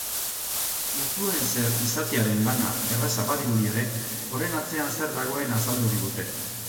Influencer izatearen lana erraza badirudi ere, horren atzean zer dagoen azaldu digute.